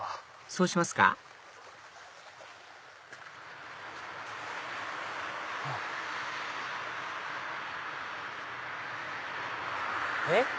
そうしますかえっ？